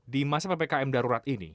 di masa ppkm darurat ini